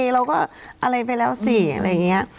เราก็อะไรไปแล้วสิอะไรอย่างนี้